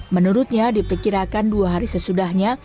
menurutnya diperkirakan dua hari sesudahnya